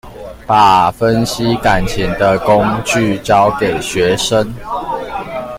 把分析感情的工具教給學生